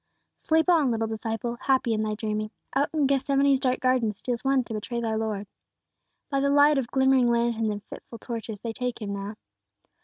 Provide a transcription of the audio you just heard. Sleep on, little disciple, happy in thy dreaming; out in Gethsemane's dark garden steals one to betray thy Lord! By the light of glimmering lanterns and fitful torches they take Him now.